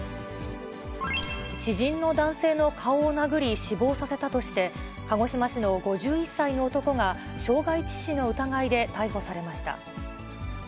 知人の男性の顔を殴り死亡させたとして、鹿児島市の５１歳の男が傷害致死の疑いで逮捕されました。